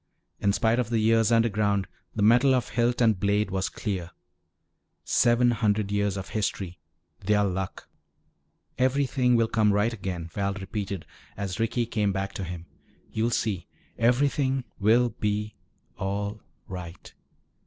In spite of the years underground, the metal of hilt and blade was clear. Seven hundred years of history their Luck! "Everything will come right again," Val repeated as Ricky came back to him. "You'll see. Everything will be all right."